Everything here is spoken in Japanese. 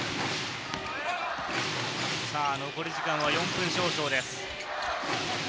残り時間は４分少々です。